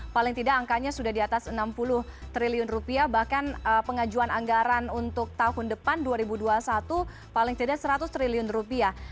paling tidak angkanya sudah di atas enam puluh triliun rupiah bahkan pengajuan anggaran untuk tahun depan dua ribu dua puluh satu paling tidak seratus triliun rupiah